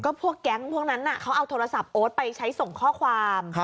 พวกแก๊งพวกนั้นเขาเอาโทรศัพท์โอ๊ตไปใช้ส่งข้อความ